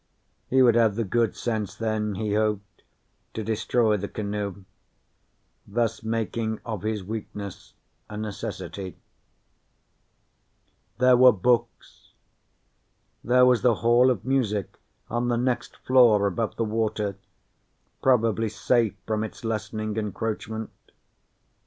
He would have the good sense then, he hoped, to destroy the canoe, thus making of his weakness a necessity. There were books. There was the Hall of Music on the next floor above the water, probably safe from its lessening encroachment.